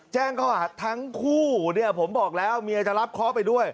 แจ้งข้อหาทั้งคู่เนี่ยผมบอกแล้วเมียจะรับเคาะไปด้วย